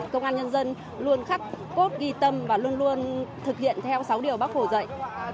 công an nhân dân luôn khắc cốt ghi tâm và luôn luôn thực hiện theo sáu điều bác hồ dạy